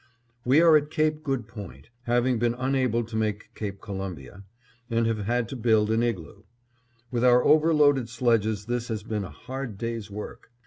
We are at Cape Good Point, having been unable to make Cape Columbia, and have had to build an igloo. With our overloaded sledges this has been a hard day's work.